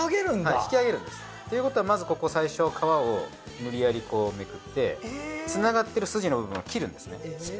引き上げるんですということはまずここ最初皮を無理やりこうめくってつながってる筋の部分を切るんですね。